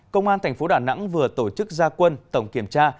công an thành phố đà nẵng vừa tổ chức gia quân tổng kiểm tra